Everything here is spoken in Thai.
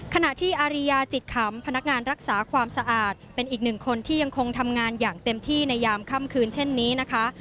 ขณะที่อาริยาจิตขำพนักงานรักษาความสะอาดเป็นอีกหนึ่งคนที่ยังคงทำงานอย่างเต็มที่ในยามค่ำคืนเช่นนี้นะคะ